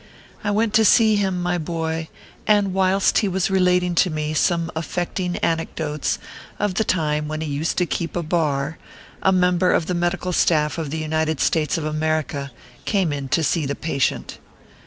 I went to see him, nay boy ; and whilst he was relating to me some af fecting anecdotes of the time when he used to keep a bar, a member of the Medical Staff of the United States of America came in to see the patient.